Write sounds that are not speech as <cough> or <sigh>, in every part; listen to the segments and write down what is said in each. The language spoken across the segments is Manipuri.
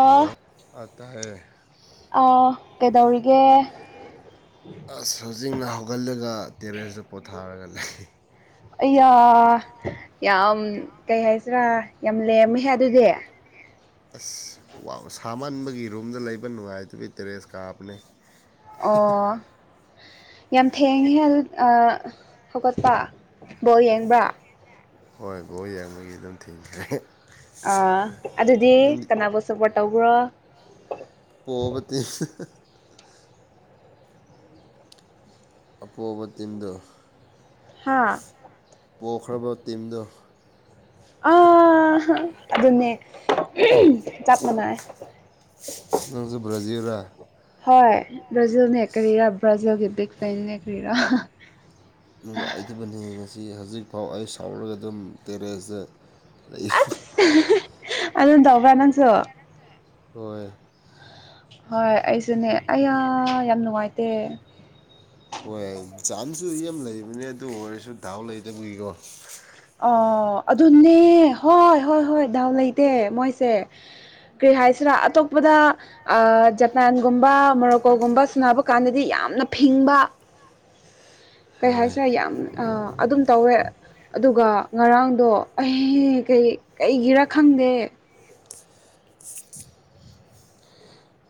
ꯍꯜꯂꯣ ꯑ ꯇꯥꯏꯌꯦ ꯑ ꯀꯩꯗꯧꯔꯤꯒꯦ ꯑꯁ ꯍꯧꯖꯤꯛꯅ ꯍꯧꯒꯠꯂꯒ ꯇꯦꯔꯦꯁꯇ ꯄꯣꯊꯥꯔꯒ ꯂꯩ ꯑꯩꯌꯥ ꯌꯥꯝ ꯀꯩ ꯍꯥꯏꯁꯤꯔꯥ ꯌꯥꯝ ꯂꯦꯝꯃꯦꯍꯦ ꯑꯗꯨꯗꯤ ꯑꯁ ꯋꯥ ꯁꯥꯃꯟꯕꯒꯤ ꯔꯨꯝꯗ ꯂꯩꯕ ꯅꯨꯡꯉꯥꯏꯇꯕꯩ ꯇꯦꯔꯦꯁ ꯀꯥꯕꯅꯦ ꯑꯣ ꯌꯥꯝ ꯊꯦꯡꯉꯦꯍꯦ ꯍꯧꯒꯠꯄ ꯕꯣꯜ ꯌꯦꯡꯕ꯭ꯔꯥ ꯍꯣꯏ ꯕꯣꯜ ꯌꯦꯡꯕꯒꯤ ꯑꯗꯨꯝ ꯊꯦꯡꯈ꯭ꯔꯦ ꯑꯥ ꯑꯗꯨꯗꯤ ꯀꯅꯥꯕꯨ ꯁꯞꯄꯣꯔꯠ ꯇꯧꯕ꯭ꯔꯣ ꯄꯣꯕ ꯇꯤꯝ ꯑꯄꯣꯕ ꯇꯤꯝꯗꯣ ꯍꯥꯥ ꯄꯣꯈ꯭ꯔꯕ ꯇꯤꯝꯗꯣ ꯑꯥ ꯑꯗꯨꯅꯦ ꯆꯞ ꯃꯥꯟꯅꯩ ꯅꯪꯁꯨ ꯕ꯭ꯔꯥꯖꯤꯜ ꯂ ꯍꯣꯏ ꯕ꯭ꯔꯥꯖꯤꯜꯅꯦ ꯀꯔꯤꯔꯥ ꯕ꯭ꯔꯥꯖꯤꯜꯒꯤ ꯕꯤꯛ ꯐꯦꯟꯅꯦ ꯀ꯭ꯔꯤꯔ ꯅꯨꯡꯉꯥꯏꯇꯕꯅꯤ ꯉꯁꯤ ꯍꯧꯖꯤꯛꯐꯥꯎ ꯑꯩ ꯁꯥꯎꯔꯒ ꯑꯗꯨꯝ ꯇꯦꯔꯦꯁꯇ ꯂꯩ ꯑꯗꯨ ꯇꯧꯕ꯭ꯔꯥ ꯅꯪꯁꯨ ꯍꯣꯏ ꯍꯣꯏ ꯑꯩꯁꯨꯅꯦ ꯑꯩꯌꯥ ꯌꯥꯝ ꯅꯨꯡꯉꯥꯏꯇꯦ ꯍꯣꯏ ꯆꯥꯟꯁꯨ ꯌꯥꯝ ꯂꯩꯕꯅꯦ ꯑꯗꯨ ꯑꯣꯏꯔꯁꯨ ꯗꯥꯥꯎ ꯂꯩꯇꯕꯒꯤꯀꯣ ꯑꯣ ꯑꯗꯨꯅꯦ ꯍꯣꯏ ꯍꯣꯏ ꯍꯣꯏ ꯗꯥꯎ ꯂꯩꯇꯦ ꯃꯣꯏꯁꯦ ꯀꯔꯤ ꯍꯥꯏꯁꯤꯔ ꯑꯇꯣꯞꯄꯗ ꯑ ꯖꯄꯥꯟꯒꯨꯝꯕ ꯃꯣꯔꯣꯀꯣꯒꯨꯝꯕ ꯁꯥꯟꯅꯕ ꯀꯥꯟꯗꯗꯤ ꯌꯥꯝ ꯌꯥꯝꯅ ꯐꯤꯡꯕ ꯀꯩ ꯍꯣꯏ ꯍꯥꯏꯁꯤꯔꯦ ꯌꯥꯝ ꯑꯗꯨꯝ ꯇꯧꯋꯦ ꯑꯗꯨꯒ ꯉꯔꯥꯡꯗꯣ ꯑꯩ ꯀꯩꯒꯤꯔꯥ ꯈꯪꯗꯦ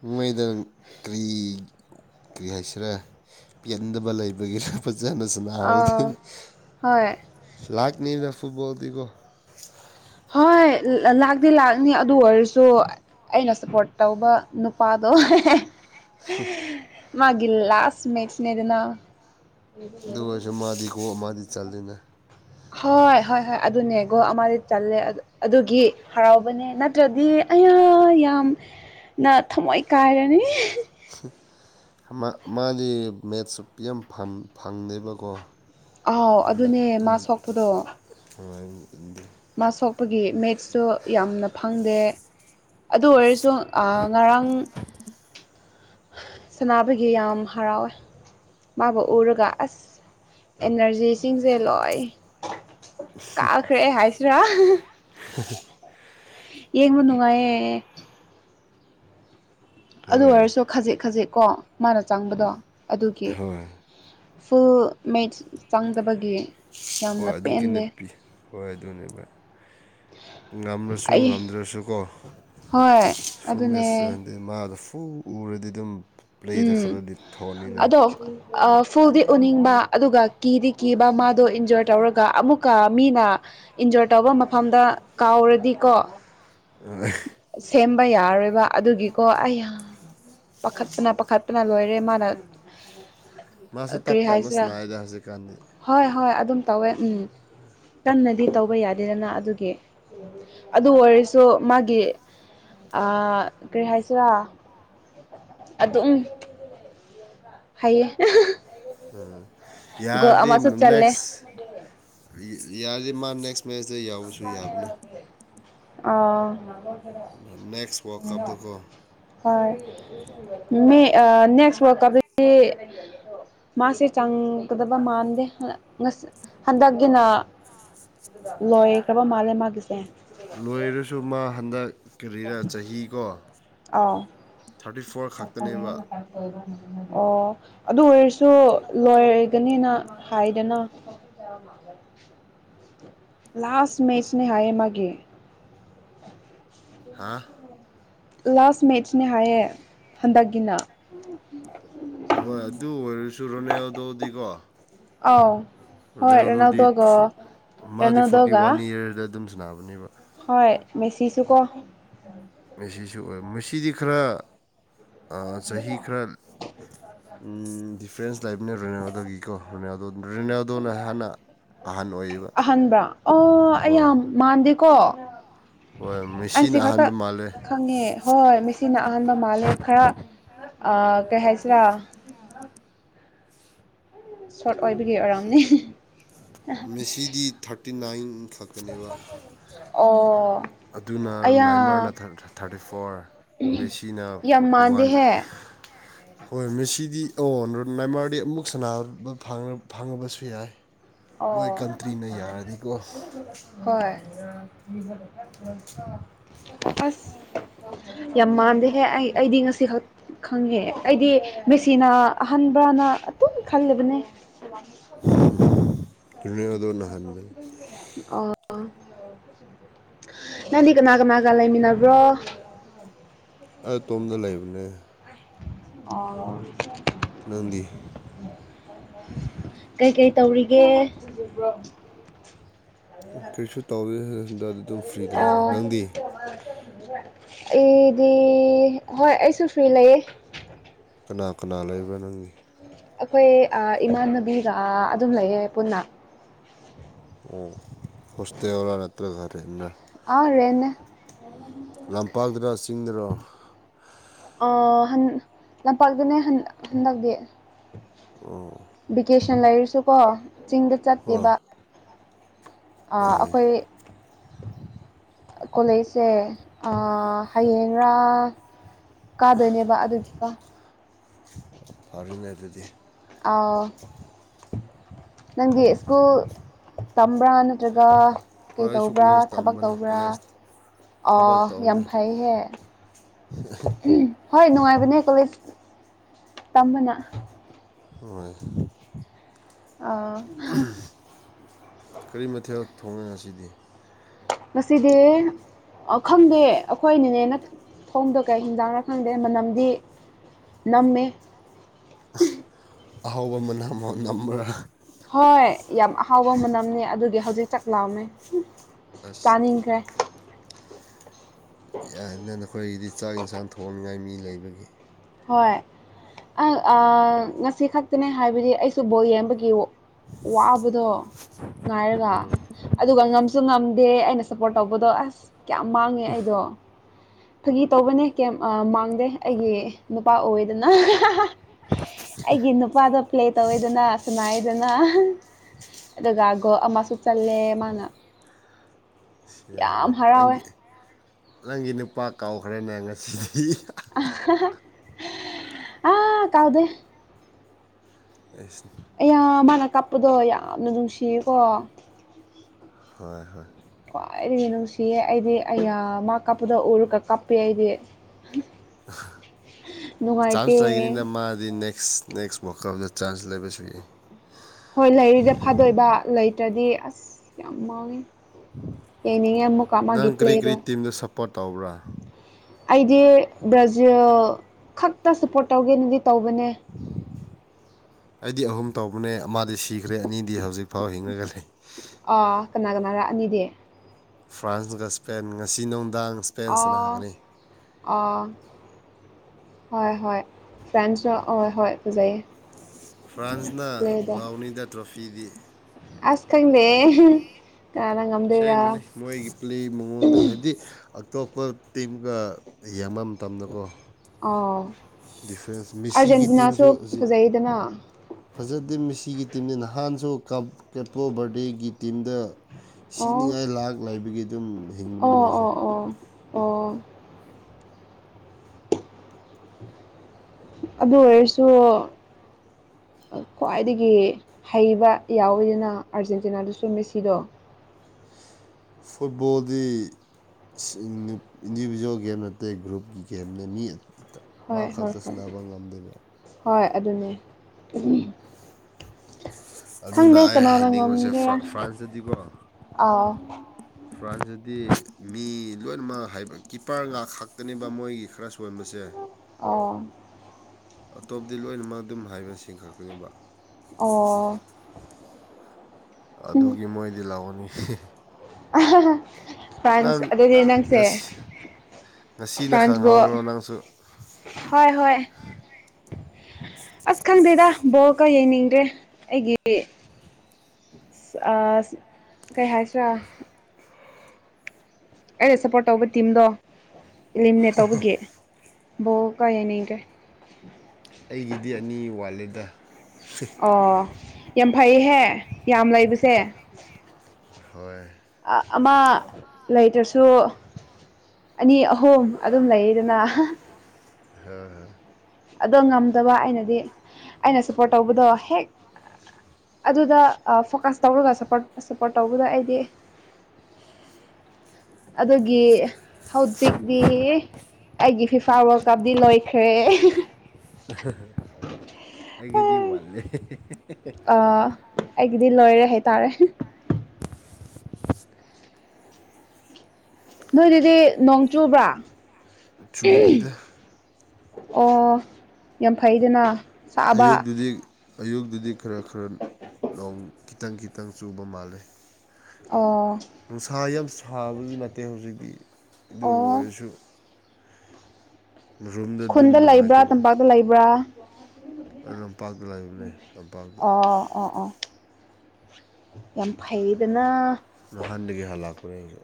ꯃꯃꯩꯗ ꯀꯔꯤ ꯀꯔꯤ ꯍꯥꯏꯁꯤꯔꯥ ꯄꯦꯟꯗꯕ ꯂꯩꯕꯒꯤꯔ ꯐꯖ ꯖꯅꯁꯨ ꯂꯥꯛꯍꯧꯗꯦ ꯑꯥ ꯍꯣꯏ ꯍꯣꯏ ꯅꯤꯗ ꯐꯨꯠꯕꯣꯜꯗꯤꯒꯣ ꯍꯣꯏ ꯂꯥꯛꯇꯤ ꯂꯥꯛꯅꯤ ꯑꯗꯨ ꯑꯣꯏꯔꯁꯨ ꯑꯩꯅ ꯁꯞꯄꯣꯔꯠ ꯇꯧꯕ ꯅꯨꯄꯥꯗꯣ ꯃꯥꯒꯤ ꯂꯥꯁ ꯃꯦꯠꯁꯅꯦꯗꯅꯥ ꯑꯗꯨ ꯑꯣꯏꯔꯁꯨ ꯃꯥꯗꯤ ꯀꯣ ꯃꯥꯗꯤ ꯆꯜꯂꯤꯅꯦ ꯍꯣꯏ ꯍꯣꯏ ꯍꯣꯏ ꯑꯗꯨꯅꯦ ꯒꯣꯜ ꯑꯃꯗꯤ ꯆꯜꯂꯦ ꯑꯗꯨꯒꯤ ꯍꯔꯥꯎꯕꯅꯦ ꯅꯠꯇ꯭ꯔꯗꯤ ꯑꯌꯥ ꯌꯥꯝꯅ ꯊꯃꯣꯏ ꯀꯥꯏꯔꯅꯤ ꯃꯥꯗꯤ ꯃꯦꯠꯁ ꯇꯤ ꯌꯥꯝ ꯐꯪꯗꯦꯕꯀꯣ ꯑꯥꯎ ꯑꯗꯨꯅ ꯑꯗꯨꯅꯦ ꯃꯥ ꯁꯣꯛꯄꯗꯣ ꯃꯥ ꯁꯣꯛꯄꯒꯤ ꯃꯦꯠꯁꯁꯨ ꯌꯥꯝꯅ ꯐꯪꯗꯦ ꯑꯗꯨ ꯑꯣꯏꯔꯁꯨ ꯑ ꯉꯔꯥꯡ ꯁꯅꯥꯅꯕꯒꯤ ꯌꯥꯝ ꯍꯔꯥꯎꯋꯦ ꯃꯥꯕꯨ ꯎꯔꯒ ꯑꯁ ꯑꯦꯅꯔꯖꯤꯁꯤꯡꯁꯦ ꯂꯣꯏ ꯀꯥꯈ꯭ꯔꯦ ꯍꯥꯏꯁꯤꯔꯥ ꯍꯥ ꯍꯥ ꯌꯦꯡꯕ ꯅꯨꯡꯉꯥꯏꯌꯦꯦ ꯑꯗꯨ ꯍꯣꯏ ꯑꯣꯏꯔꯁꯨ ꯈꯖꯤꯛ ꯈꯖꯤꯛꯀꯣ ꯃꯥꯅ ꯆꯪꯕꯗꯣ ꯑꯗꯨꯒꯤ ꯍꯣꯏ ꯐꯨꯜ ꯃꯦꯠꯁ ꯆꯪꯗꯕꯒꯤ ꯍꯣꯏ ꯌꯥꯝꯅ ꯑꯗꯨꯒꯤꯅꯦ ꯄꯦꯟꯗꯦ ꯍꯣꯏ ꯑꯗꯨꯅꯦ ꯚ ꯉꯝꯃꯁꯨ ꯑꯩ ꯉꯝꯗ꯭ꯔꯁꯨꯀꯣ ꯍꯣꯏ ꯑꯗꯨꯅꯦ ꯎꯕꯨ ꯎꯔꯗꯤ ꯑꯗꯨꯝ ꯄ꯭ꯂꯦꯗ ꯎꯝ ꯈꯔꯗꯤ ꯊꯣꯛꯑꯅꯤꯅ ꯑꯗꯣ ꯑ ꯐꯨꯜꯗꯤ ꯎꯅꯤꯡꯕ ꯑꯗꯨꯒ ꯀꯤꯗꯤ ꯀꯤꯕ ꯃꯥꯗꯣ ꯏꯟꯖꯣꯔ ꯇꯧꯔꯒ ꯑꯃꯨꯛꯀ ꯃꯤꯅ ꯏꯟꯖꯣꯔ ꯇꯧꯕ ꯇꯩꯕ ꯃꯐꯝꯗ ꯀꯥꯎꯔꯗꯤꯀꯣ ꯑ ꯁꯦꯝꯕ ꯌꯥꯔꯣꯏꯕ ꯑꯗꯨꯒꯤꯀꯣ ꯑꯩ ꯌꯥꯝ ꯄꯥꯈꯠ ꯅ ꯄꯥꯈꯠꯄꯅ ꯂꯣꯏꯔꯦ ꯃꯥꯅ ꯃꯥꯁꯨ ꯀꯔꯤ ꯇꯞ ꯇꯞꯅ ꯍꯥꯏꯁꯤꯔꯥ ꯁꯥꯟꯅꯩꯗ ꯍꯧꯖꯤꯛꯀꯥꯟꯗꯤ ꯍꯣꯏ ꯍꯣꯏ ꯑꯗꯨꯝ ꯇꯧꯋꯦ ꯎꯝ ꯀꯟꯅꯗꯤ ꯇꯧꯕ ꯌꯥꯗꯦꯗꯅ ꯑꯗꯨꯒꯤ ꯑꯗꯨ ꯑꯣꯏꯔꯁꯨ ꯃꯥꯒꯤ ꯀꯔꯤ ꯍꯥꯏꯁꯤꯔꯥ ꯑꯗꯨꯝ ꯍꯩꯌꯦ ꯒꯣꯜ ꯌꯥꯔꯗꯤ ꯑꯃꯁꯨ ꯆꯜꯂꯦ ꯅꯦꯛꯁ ꯌꯥꯔꯗꯤ ꯃꯥ ꯅꯦꯛꯁ ꯃꯦꯆ ꯁꯦ ꯌꯥꯎꯕꯁꯨ ꯌꯥꯕꯅꯦ ꯑ ꯅꯦꯛꯁ ꯋꯥꯔꯜ ꯀꯞꯇꯀꯣ ꯍꯣꯏ ꯃꯦ ꯑ ꯅꯦꯛꯁ ꯋꯥꯔꯜꯀꯞꯇꯗꯤ ꯃꯥꯁꯦ ꯆꯪꯒꯗꯕ ꯃꯥꯟꯗꯦ ꯍꯟꯗꯛꯀꯤꯅ ꯂꯣꯏꯈ꯭ꯔꯕ ꯃꯥꯜꯂꯦ ꯃꯥꯒꯤꯁꯦ ꯂꯣꯏꯔꯁꯨ ꯃꯥ ꯍꯟꯗꯛ ꯀꯔꯤꯔ ꯆꯍꯤꯀꯣ ꯑꯧ ꯊꯥꯔꯇꯤ ꯐꯣꯔ ꯈꯛꯇꯅꯦꯕ ꯑꯣ ꯑꯗꯨ ꯑꯣꯏꯔꯁꯨ ꯂꯣꯏꯔꯒꯅꯤꯅ ꯍꯥꯏꯗꯅ ꯂꯥꯁ ꯃꯦꯆꯅꯦ ꯍꯥꯏꯌꯦ ꯃꯥꯒꯤ <inaudible> ꯍꯥ ꯂꯥꯁ ꯃꯦꯠꯆꯅꯦ ꯍꯥꯏꯌꯦ ꯍꯟꯗꯛꯀꯤꯅ ꯍꯣꯏ ꯑꯗꯨ ꯑꯣꯏꯔꯁꯨ ꯔꯣꯅꯦꯜꯗꯣꯗꯤꯀꯣ ꯑꯥꯎ ꯑꯗꯨ ꯍꯣꯏ ꯑꯗꯨ ꯑꯗꯨꯗꯤ ꯔꯣꯅꯥꯜꯗꯣꯒ ꯃꯥꯗꯤ ꯐꯣꯔꯇꯤ ꯔꯣꯅꯥꯜꯗꯣꯒ ꯋꯥꯟ ꯏꯌꯥꯔꯗ ꯑꯗꯨꯝ ꯅꯥꯕꯅꯦꯕ ꯍꯣꯏ ꯃꯦꯁꯤꯁꯨ ꯀꯣ ꯃꯦꯁꯤꯁꯨ ꯑꯣꯏ ꯃꯁꯤꯗꯤ ꯈꯔ ꯆꯍꯤ ꯈꯔ ꯐ꯭ꯔꯦꯟꯁ ꯂꯥꯏꯞꯅꯦ ꯔꯦꯅꯥꯜꯗꯣꯒꯤꯀꯣ ꯔꯣꯅꯥꯜꯗꯣ ꯔꯦꯅꯥꯜꯗꯣꯅ ꯍꯥꯟꯅ ꯑꯍꯟ ꯑꯣꯏꯌꯦꯕ ꯑꯍꯟꯥꯟꯕ꯭ꯔꯥ ꯑꯣ ꯑꯩ ꯌꯥꯝ ꯃꯥꯟꯗꯦꯀꯣ ꯍ ꯑꯩꯁꯤ ꯈꯛꯇ ꯈꯪꯉꯦ ꯍꯣꯏ ꯍꯣꯏ ꯃꯤꯦꯁꯤꯅ ꯑꯍꯥꯟꯕ ꯃꯥꯜꯂꯦ ꯈꯔ ꯑ ꯀꯦꯁꯤꯔꯥ ꯁꯣꯔꯠ ꯑꯣꯏꯕꯒꯤ ꯑꯣꯏꯔꯝꯅꯤ ꯃꯦꯁꯤꯗꯤ ꯊꯥꯔꯇꯤ ꯅꯥꯏꯟ ꯈꯛꯇꯅꯦꯕ ꯑꯣ ꯑꯗꯨꯅ ꯑꯌꯥ ꯅꯥꯏꯃꯔꯅ ꯊꯥꯔꯇꯤ ꯐꯣꯔ ꯃꯦꯁꯤꯅ ꯌꯥꯝ ꯐꯣꯔꯇꯤ ꯋꯥꯟ ꯃꯥꯟꯗꯦꯍꯦ ꯍꯣꯏ ꯃꯁꯤꯗꯤ ꯑ ꯥꯏꯃꯥꯔꯗꯤ ꯑꯃꯨꯛ ꯁꯥꯟꯅꯕ ꯐꯥꯡꯉꯕꯁꯨ ꯌꯥꯏ ꯃꯣꯏ ꯑꯣ ꯀꯟꯇ꯭ꯔꯤꯅ ꯌꯥꯔꯗꯤꯀꯣ ꯍꯣꯏ ꯑꯁ ꯌꯥꯝ ꯃꯥꯟꯗꯦꯍꯦ ꯑꯩ ꯑꯩꯗꯤ ꯉꯁꯤ ꯈꯛ ꯈꯪꯉꯦꯍꯦ ꯑꯩꯗꯤ ꯃꯦꯆꯅꯥ ꯑꯍꯕ꯭ꯔꯥ ꯝ ꯈꯜꯂꯤꯕꯅꯦ ꯔꯣꯅꯥꯜꯗꯣꯅ ꯍꯟꯕꯅꯦ ꯑꯣ ꯅꯅꯤ ꯀꯧꯕ ꯅꯥꯒꯥ ꯃꯥꯒꯥ ꯂꯩ ꯃꯤꯅꯥꯕ꯭ꯔ ꯑꯩ ꯑꯇꯣꯝꯗ ꯂꯩꯕꯅꯦ ꯑꯣ ꯂꯪꯗꯤ ꯀꯩꯀꯩ ꯇꯧꯔꯤꯒꯦ ꯀꯔꯤꯁꯨ ꯇꯧꯗꯦ ꯍꯟꯗꯛꯇꯤ ꯑꯗꯨꯝ ꯐ꯭ꯔꯤ ꯑ ꯂꯩꯗ ꯅꯪꯗꯤ ꯑꯩꯗꯤ ꯍꯣꯏ ꯑꯩꯁꯨ ꯐ꯭ꯔꯤ ꯂꯩꯌꯦ ꯀꯅꯥ ꯀꯅꯥ ꯂꯩꯕ ꯅꯪꯒꯤ ꯑꯩꯈꯣꯏ ꯏꯃꯥꯟꯅꯕꯤꯒ ꯑꯗꯨꯝ ꯂꯩꯌꯦ ꯄꯨꯟꯅ ꯑꯣ ꯍꯣꯁꯇꯦꯜꯂꯥ ꯅꯠꯇ꯭ꯔꯒꯔꯦꯟꯅ ꯑꯔꯦꯟꯅ ꯂꯝꯄꯥꯛꯇꯔ ꯆꯤꯡꯗꯨꯔ ꯂꯝꯄꯥꯛꯇꯅꯦ ꯍꯟꯗꯛꯇꯤ ꯑ ꯚꯦꯀꯦꯁꯟ ꯂꯩꯔꯁꯨꯀꯣ ꯆꯤꯡꯗ ꯍꯣꯏ ꯆꯠꯇꯦꯕ ꯍꯣꯏ ꯑꯩꯈꯣꯏ ꯀꯣꯂꯦꯖꯁꯦ ꯍꯌꯦꯡꯔꯥ ꯀꯥꯗꯣꯏꯅꯦꯕ ꯑꯗꯨꯒꯤꯀ ꯐꯔꯅꯦ ꯑꯗꯨꯗꯤ ꯅꯪꯒꯤ ꯁ꯭ꯀꯨꯜ ꯇꯝꯕ꯭ꯔꯥ ꯅꯠꯇ꯭ꯔꯒ ꯀꯩ ꯍꯣꯏ ꯑꯩꯁꯨ ꯇꯧꯕ꯭ꯔꯥ ꯀꯣꯂꯦꯖ ꯊꯕꯛ ꯇꯝꯕꯅꯦ ꯇꯧꯕ꯭ꯔꯥ ꯀꯣꯂꯦꯖ ꯑꯣ ꯊꯕꯛ ꯌꯥꯝ ꯇꯧꯗꯦ ꯐꯩꯍꯦ ꯍꯣꯏ ꯅꯨꯡꯉꯥꯏꯕꯅꯦ ꯀꯂꯦꯖ ꯇꯝꯕꯅ ꯍ ꯑ ꯀꯔꯤ ꯃꯊꯦꯜ ꯊꯣꯡꯉꯦ ꯉꯁꯤꯗꯤ ꯉꯁꯤꯗꯤ ꯈꯪꯗꯦ ꯑꯩꯈꯣꯏꯅꯤꯅꯦꯅ ꯊꯣꯡꯗ ꯀꯩ ꯍꯤꯟꯖꯥꯡꯅ ꯈꯪꯗꯦ ꯃꯅꯝꯗꯤ ꯅꯃꯦ ꯑꯍꯥꯎꯕ ꯃꯅ ꯅꯝꯕ꯭ꯔꯥ ꯍꯣꯏ ꯌꯥꯝ ꯑꯍꯥꯎꯕ ꯃꯅꯝꯅꯦ ꯑꯗꯨꯒꯤ ꯍꯧꯖꯤꯛ ꯆꯥꯛ ꯂꯥꯎꯃꯦ ꯑꯁ ꯆꯥꯅꯤꯡꯈ꯭ꯔꯦ ꯌꯥ ꯅ ꯅꯈꯣꯏꯒꯤꯗꯤ ꯆꯥꯛ ꯏꯟꯁꯥꯡ ꯊꯣꯡꯅꯤꯉꯥꯏ ꯃꯤ ꯂꯩꯕꯒꯤ ꯍꯣꯏ ꯑ ꯉꯁꯤ ꯈꯛꯇꯅꯦ ꯍꯥꯏꯕꯗꯤ ꯑꯩꯁꯨ ꯕꯣꯜ ꯌꯦꯡꯕꯒꯤ ꯋꯥꯕꯗ ꯉꯥꯏꯔꯒ ꯑꯗꯨꯒ ꯉꯝꯁꯨ ꯉꯝꯗꯦ ꯑꯩꯅ ꯁꯞꯄꯣꯔꯠ ꯇꯧꯕꯗꯣ ꯑꯁ ꯀꯌꯥꯝ ꯃꯥꯡꯉꯦ ꯑꯩꯗꯣ ꯑꯣ ꯐꯥꯒꯤ ꯇꯧꯕꯅꯦ ꯀꯌꯥꯝ ꯃꯥꯡꯗꯦ ꯑꯩꯒꯤ ꯏꯄꯥ ꯑꯣꯏꯗꯅ ꯑꯩꯒꯤ ꯅꯨꯄꯥꯗꯣ ꯄ꯭ꯂꯦ ꯇꯧꯋꯦꯗꯅ ꯁꯅꯥꯏꯗꯅ ꯑꯗꯨꯒ ꯒꯣꯜ ꯑꯃꯁꯨ ꯆꯜꯂꯦ ꯃꯥꯅ ꯁꯤꯗ ꯌꯥꯝ ꯍꯥꯏꯅꯦ ꯍꯔꯥꯎꯋꯦ ꯅꯪꯒꯤ ꯅꯪꯒꯤ ꯅꯨꯄꯥ ꯀꯥꯎꯈ꯭ꯔꯦꯅꯦ ꯉꯁꯤꯗꯤ ꯑ ꯍꯥ ꯍꯥ ꯑꯥ ꯀꯥꯎꯗꯦ ꯑꯩꯏꯁ ꯑꯌꯥ ꯃꯥꯅ ꯀꯥꯞꯄꯗꯣ ꯌꯥꯝꯅ ꯅꯨꯡꯁꯤꯌꯦꯀꯣ ꯍꯣꯏ ꯍꯣꯏ ꯈ꯭ꯋꯥꯏꯗꯒꯤ ꯅꯨꯡꯁꯤꯌꯦ ꯑꯩꯗꯤ ꯑꯩꯌ ꯃꯥ ꯀꯞꯄꯗꯣ ꯎꯔꯒ ꯀꯞꯄꯦ ꯑꯩꯗꯤ ꯍꯍ ꯆꯥꯟꯁ ꯅꯨꯡꯉꯥꯏꯇꯦ ꯂꯒꯅꯤꯗ ꯃꯥꯗꯤ ꯅꯦꯛ ꯁ ꯅꯦꯛꯁ ꯋꯥꯜ ꯀꯞꯗ ꯆꯥꯟꯁ ꯂꯩꯕꯁꯨ ꯌꯥꯏ ꯇ꯭ꯔꯗꯤ ꯑꯁ ꯌꯥꯝ ꯃꯥꯎꯉꯦ ꯌꯦꯡꯅꯤꯡꯉꯦ ꯑꯃꯨꯛꯀ ꯃꯥꯒꯤ ꯄ꯭ꯂꯦꯗꯣ ꯄꯣꯔꯠ ꯇꯧꯕ꯭ꯔꯥ ꯑꯩꯗꯤ ꯕ꯭ꯔꯥꯖꯤꯜ ꯈꯛꯇ ꯁꯞꯄꯣꯔꯠ ꯇꯧꯒꯦꯅꯗꯤ ꯇꯧꯕꯅꯦ ꯑꯩꯗꯤ ꯑꯍꯨꯝ ꯇꯧꯕꯅꯦ ꯑꯃꯥꯗꯤ ꯁꯤꯈ꯭ꯔꯦ ꯑꯅꯤꯗꯤ ꯍꯧꯖꯤꯛ ꯐꯥꯎ ꯍꯤꯡꯔꯒ ꯂꯩ ꯑꯥ ꯀꯅꯥ ꯀꯅꯥꯔ ꯑꯅꯤꯗꯤ ꯐ꯭ꯔꯥꯟꯁꯒ ꯏꯁꯄꯦꯟ ꯉꯁꯤ ꯅꯨ ꯑꯣ ꯑꯣ ꯍꯣꯏ ꯍꯣꯏ ꯐ꯭ꯔꯦꯟꯁꯨ ꯑꯣ ꯍꯣꯏ ꯐꯖꯩꯌꯦ ꯐ꯭ꯔꯥꯟꯁꯅ ꯄ꯭ꯂꯦꯗ ꯂꯥꯎꯅꯤꯗ ꯇ꯭ꯔꯣꯐꯤꯗꯤ ꯑꯁ ꯈꯪꯗꯦ ꯍꯍ ꯁꯦꯡꯕꯅꯤ ꯃꯣꯏꯒꯤ ꯄ꯭ꯂꯦ ꯃꯉꯣꯟꯗ ꯍꯥꯏꯕꯗꯤ ꯑꯇꯣꯞꯄ ꯇꯤꯝꯒ ꯌꯦꯡꯕ ꯃꯇꯝꯗꯀꯣ ꯑꯣ ꯗꯤꯐ꯭ꯔꯦꯟꯁ ꯃꯤꯁꯤꯒꯤ ꯇꯤꯝꯁꯨ ꯑꯥꯔꯖꯦꯟꯇꯤꯅꯥꯁꯨ ꯍꯧꯖꯤꯛ ꯐꯖꯩꯗꯅ ꯐꯖꯗꯦ ꯃꯤꯁꯤꯒꯤ ꯇꯤꯝꯅ ꯅꯍꯥꯟꯁꯨ ꯀꯞ ꯀꯦꯄꯣ ꯕꯔꯗꯦꯒꯤ ꯇꯤꯝꯗ ꯑꯣ ꯁꯤꯅꯤꯡꯉꯥꯏ ꯂꯥꯛ ꯂꯩꯕꯒꯤ ꯑꯗꯨꯝ ꯍꯤꯡꯕꯅꯤ ꯑꯣ ꯃꯣꯏꯁꯦ ꯑꯣ ꯑꯣ ꯑꯣ ꯑꯗꯨ ꯑꯣꯏꯔꯁꯨ ꯈ꯭ꯋꯥꯏꯗꯒꯤ ꯍꯩꯕ ꯌꯥꯎꯋꯤꯗꯅ ꯑꯥꯔꯖꯦꯟꯇꯤꯅꯥꯗꯨꯁꯨ ꯃꯦꯁꯤꯗꯣ ꯐꯨꯠꯕꯣꯜꯗꯤ ꯏꯟꯗꯤꯚꯖꯨꯋꯦꯜ ꯒꯦꯝ ꯅꯠꯇꯦ ꯒ꯭ꯔꯨꯞꯀꯤ ꯒꯦꯝꯅꯦ ꯃꯤ ꯃꯥ ꯍꯣꯏ ꯍꯣꯏ ꯈꯛꯇ ꯍꯣꯏ ꯁꯟꯅꯕ ꯉꯝꯗꯦꯕ ꯍꯣꯏ ꯑꯗꯨꯅꯦ ꯎꯝ ꯑꯗꯨꯅ ꯑꯩ ꯍꯥꯏꯅꯤꯡꯕꯁꯦ ꯐ꯭ꯔꯥ ꯉꯝꯒꯦꯔꯥ ꯐ꯭ꯔꯥꯟꯁꯇꯗꯤꯀꯣ ꯑꯥꯎ ꯐ꯭ꯔꯥꯟꯁꯇꯗꯤ ꯃꯤ ꯂꯣꯏꯅꯃꯛ ꯍꯥꯏꯕ ꯀꯤꯞꯄꯔ ꯉꯍꯥꯛ ꯈꯥꯛꯇꯅꯦꯕ ꯃꯣꯏꯒꯤ ꯈꯔ ꯁꯣꯟꯕꯁꯦ ꯑꯣ ꯑꯇꯣꯞꯗꯤ ꯂꯣꯏꯅꯃꯛ ꯑꯗꯨꯝ ꯍꯥꯏꯕꯁꯤꯡ ꯈꯛꯇꯅꯦꯕ ꯑꯣ ꯑꯗꯨꯒꯤ ꯃꯣꯏꯗꯤ ꯂꯥꯛꯑꯣꯅꯤ ꯍ ꯍ ꯑ ꯍ ꯍ ꯐ꯭ꯔꯥꯟꯁ ꯑꯗꯨꯗꯤ ꯅꯪꯁꯦ ꯉꯁꯤ ꯉꯁꯤꯅ ꯐ꯭ꯔꯥꯟꯁꯕꯣ ꯈꯪꯍꯧꯔꯣ ꯅꯪꯁꯨ ꯍꯣꯏ ꯍꯣꯏ ꯕꯣꯜ ꯀ ꯌꯦꯡꯅꯤꯡꯗ꯭ꯔꯦ ꯑꯩꯒꯤ ꯁꯤ ꯑꯁ ꯀꯩ ꯍꯥꯏꯁꯤꯔꯥ ꯑꯩꯅ ꯁꯞꯄꯣꯔꯠ ꯇꯧꯕ ꯇꯤꯝꯗꯣ ꯏꯂꯤꯃꯤꯅꯦꯠ ꯇꯧꯕꯒꯤ ꯕꯣꯜ ꯀ ꯌꯦꯡꯅꯤꯡꯗ꯭ꯔꯦ ꯑꯩꯒꯤꯗꯤ ꯑꯅꯤ ꯋꯥꯠꯂꯤꯗ ꯑꯣ ꯌꯥꯝ ꯐꯩꯍꯦ ꯌꯥꯝ ꯂꯩꯕꯁꯦ ꯍꯣꯏ ꯑꯥ ꯑꯃ ꯂꯩꯇ꯭ꯔꯁꯨ ꯑꯅꯤ ꯑꯍꯨꯝ ꯑꯗꯨꯝ ꯂꯩꯗꯅ ꯑꯍꯍ ꯍ ꯍꯥꯥ ꯍꯥ ꯑꯗꯣ ꯉꯝꯗꯕ ꯑꯩꯅꯗꯤ ꯑꯩꯅ ꯁꯞꯄꯣꯔꯠ ꯇꯧꯕꯗꯣ ꯍꯦꯛ ꯑꯗꯨꯗ ꯐꯣꯀꯁ ꯇꯧꯔꯒ ꯁꯄꯣꯔꯠ ꯁꯞꯄꯣꯔꯠ ꯇꯧꯕꯗ ꯑꯩꯗꯤ <inaudible> ꯑꯗꯨꯒꯤ ꯍꯧꯖꯤꯛꯇꯤ ꯑꯩꯒꯤ ꯐꯤꯐꯥ ꯋꯥꯔꯜ ꯀꯞꯗꯤ ꯂꯣꯏ ꯍ ꯑꯩꯒꯤꯗꯤ ꯋꯥꯠꯂꯦ ꯑ ꯑꯩꯒꯤꯗꯤ ꯂꯣꯏꯔꯦ ꯍꯥꯏꯇꯥꯔꯦ ꯅꯣꯏꯗꯨꯗꯤ ꯅꯣꯡ ꯆꯨꯕ꯭ꯔꯥ ꯆꯨꯗꯤꯗ ꯑꯣ ꯌꯥꯝ ꯐꯩꯗꯅ ꯁꯥꯕ ꯑꯌꯨꯛꯇꯛꯇꯨꯗꯤ ꯑꯌꯨꯛ ꯑꯗꯨꯗꯤ ꯈꯔ ꯈꯔ ꯅ ꯈꯤꯇꯪ ꯈꯤꯇꯪ ꯆꯨꯕ ꯃꯥꯜꯂꯦ ꯑꯣ ꯅꯨꯡꯁꯥ ꯌꯥꯝ ꯁꯥꯕꯁꯨ ꯅꯠꯇꯦ ꯍꯧꯖꯤꯛꯇꯤ ꯑꯗꯨ ꯑꯣ ꯑꯣꯏꯔꯁꯨ ꯔꯨꯝꯗ ꯑꯗꯨꯝ ꯈꯨꯟꯗ ꯂꯩꯕ꯭ꯔꯥ ꯇꯝꯄꯥꯛꯇ ꯂꯩꯕ꯭ꯔꯥ ꯑ ꯂꯝꯄꯥꯛꯇ ꯂꯩꯥꯛꯕꯅꯦ ꯂꯝꯄꯥꯛꯇ ꯑꯣ ꯑꯣ ꯑꯣ ꯌꯥꯝ ꯐꯩꯗꯅ ꯀꯔꯦꯁꯨ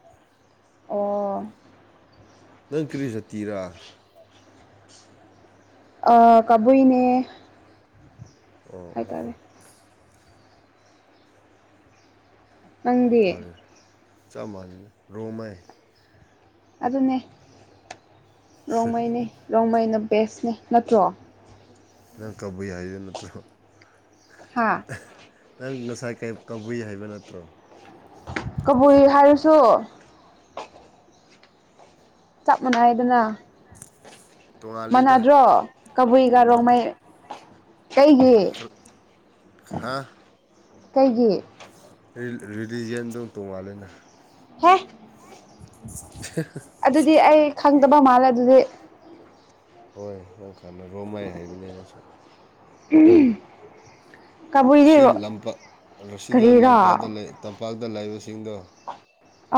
ꯑꯣ ꯅꯪ ꯀ꯭ꯔꯤ ꯁꯇꯤꯔꯥ ꯑ ꯀꯕꯨꯏꯅꯦ ꯑ ꯍꯥꯏꯇꯥꯔꯦ ꯅꯪꯗꯦ ꯆꯃꯜ ꯔꯣꯃꯦ ꯑꯗꯨꯅꯦ ꯔꯣꯡꯃꯩꯅꯤ ꯔꯣꯡꯃꯩꯅ ꯕꯦꯁꯅꯦ ꯅꯠꯇ꯭ꯔꯣ ꯅꯪ ꯀꯕꯨ ꯍꯥꯏꯗ ꯅꯠꯇ꯭ꯔꯣ ꯍꯥ ꯅꯪ ꯉꯁꯥꯏ ꯀꯩ ꯀ ꯍꯥꯏꯕ ꯅꯠꯇ꯭ꯔꯣ ꯀꯕꯨꯏ ꯍꯥꯏꯔꯁꯨ ꯆꯞ ꯃꯥꯟꯅꯏꯗꯅ ꯇꯣꯡꯉꯥꯜꯂꯤꯗ ꯃꯅꯥꯗ꯭ꯔꯣ ꯀꯕꯨꯏꯒꯔꯣꯡꯃꯩ ꯈꯥ ꯀꯩꯒꯤ ꯔꯤꯂꯤꯖꯟꯗꯣꯝ ꯇꯣꯡꯉꯥꯂꯦꯅ ꯍꯦ ꯑꯗꯨꯗꯤ ꯑꯩ ꯈꯪꯗꯕ ꯃꯥꯜꯂꯦ ꯑꯗꯨꯗꯤ ꯍꯣꯏ ꯅꯪ ꯈꯪꯅꯔꯣ ꯃꯥꯏ ꯍꯥꯏꯕꯅꯦ ꯅꯪꯁꯨ ꯎꯝ ꯁꯤ ꯂꯝꯄꯥꯛ ꯑꯁꯤꯗ ꯀꯔꯤꯔꯥ ꯂꯝꯄꯥꯛꯇ ꯇꯝꯄꯥꯛꯇ ꯂꯩꯕꯁꯤꯡꯗꯣ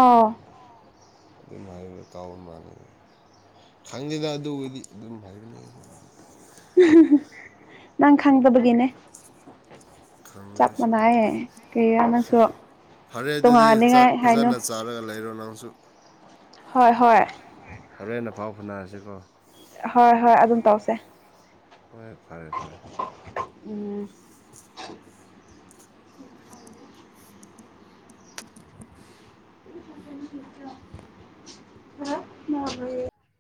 ꯑꯥ ꯑꯗꯨꯝ ꯍꯥꯏꯕꯗ ꯇꯥꯎꯕ ꯃꯥꯜꯂꯤ ꯈꯪꯗꯦꯗ ꯑꯗꯨꯕꯨꯗꯤ ꯑꯗꯨꯝ ꯍꯥꯏꯕꯅꯤ ꯅꯪ ꯈꯪꯗꯕꯒꯤꯅꯦ ꯈꯪꯗꯦ ꯆꯞ ꯑꯩꯁꯨ ꯃꯅꯥꯏꯌꯦ ꯀ ꯐꯔꯦ ꯑꯗꯨꯗꯤ ꯆꯥꯛ ꯍꯥꯏꯅꯨ ꯐꯖꯅ ꯆꯥꯔꯒ ꯂꯩꯔꯣ ꯅꯪꯁꯨ ꯍꯣꯏ ꯍꯣꯏ ꯍꯣꯔꯦꯟꯦꯟꯅ ꯐꯥꯎ ꯐꯅꯔꯁꯤꯀꯣ ꯍꯣꯏ ꯍꯣꯏ ꯑꯗꯨꯝ ꯇꯧꯁꯦ ꯍꯣꯏ ꯐꯔꯦ ꯐꯔꯦ ꯎꯝ <unintelligible>